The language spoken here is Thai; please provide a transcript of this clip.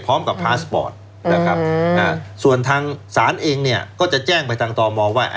พร้อมกับพลาสบอร์ตนะครับส่วนทางสารเองก็จะแจ้งไปต่างต่อมองว่า